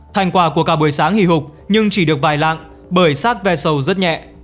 thành quả của cả buổi sáng hì hục nhưng chỉ được vài lạng bởi xác vẹt sầu rất nhẹ